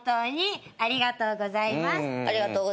ありがとうございます。